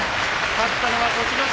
勝ったのは栃ノ心。